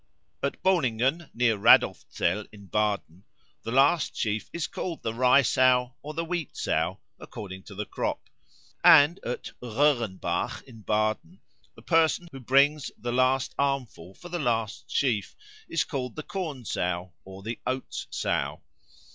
At Bohlingen, near Radolfzell in Baden, the last sheaf is called the Rye sow or the Wheat sow, according to the crop; and at Röhrenbach in Baden the person who brings the last armful for the last sheaf is called the Corn sow or the Oats sow.